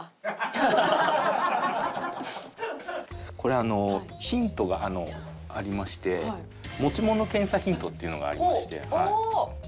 これあのヒントがありまして持ち物検査ヒントっていうのがありまして。